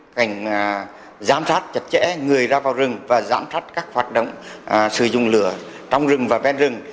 cảnh giám sát chặt chẽ người ra vào rừng và giám sát các hoạt động sử dụng lửa trong rừng và ven rừng